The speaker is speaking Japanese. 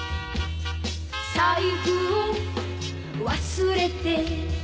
「財布を忘れて」